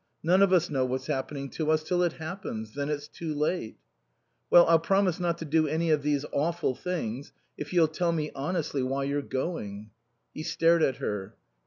None of us know what's happening to us till it happens. Then it's too late." "Well, I'll promise not to do any of these awful things if you'll tell me, honestly, why you're going." He stared at her.